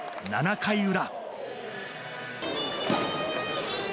７回裏。